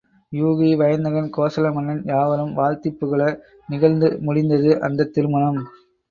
யூகி, வயந்தகன், கோசலமன்னன் யாவரும் வாழ்த்திப் புகழ நிகழ்ந்து முடிந்தது அந்தத் திருமணம்.